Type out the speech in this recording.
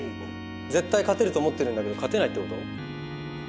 絶対勝てると思ってるんだけど勝てないってこと？